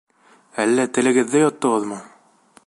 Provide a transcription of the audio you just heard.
Әллә телегеҙҙе йоттоғоҙмо?